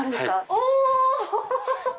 お！